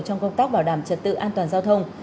trong công tác bảo đảm trật tự an toàn giao thông